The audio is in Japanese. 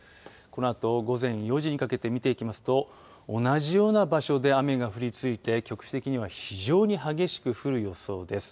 このあと午前４時にかけて見ていきますと同じような場所で雨が降り続いて局地的には非常に激しく降る予想です。